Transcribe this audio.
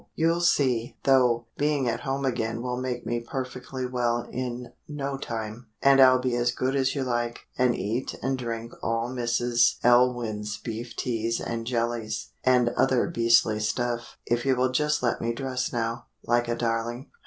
You'll see, though, being at home again will make me perfectly well in no time and I'll be as good as you like, and eat and drink all Mrs. Elwyn's beef teas and jellies, and other beastly stuff, if you will just let me dress now, like a darling."